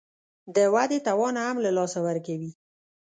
د ودې توان هم له لاسه ورکوي